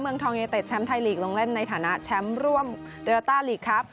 เมืองทองยูเต็ดแชมป์ไทยลีกลงเล่นในฐานะแชมป์ร่วมโยต้าลีกครับ